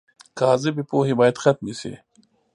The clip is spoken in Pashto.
کاذبې پوهې باید ختمې شي.